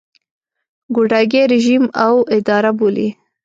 ګوډاګی رژیم او اداره بولي.